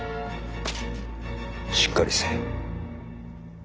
しっかりせい。